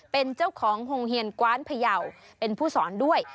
เป็นเจ้าของโฮงเฮียนกว้านพยาวเป็นผู้สอนด้วย